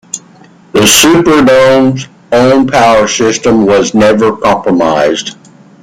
The Superdome's own power system was never compromised.